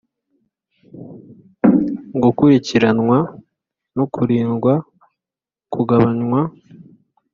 gukurikiranwa no kurindwa kugabanywa.